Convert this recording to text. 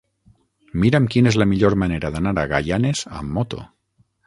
Mira'm quina és la millor manera d'anar a Gaianes amb moto.